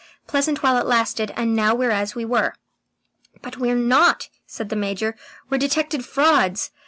Pleasant while it lasted, and now we're as we were." "But we're not," said the Major. "We're detected frauds!